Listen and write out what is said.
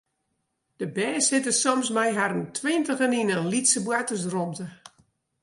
De bern sitte soms mei harren tweintigen yn in lytse boartersrûmte.